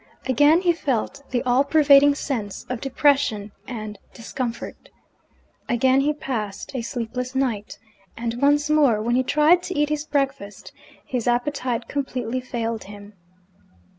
Again he felt the all pervading sense of depression and discomfort. Again he passed a sleepless night. And once more, when he tried to eat his breakfast, his appetite completely failed him!